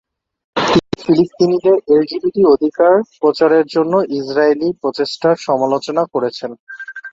তিনি ফিলিস্তিনিদের এলজিবিটি অধিকার প্রচারের জন্য ইজরায়েলি প্রচেষ্টার সমালোচনা করেছেন।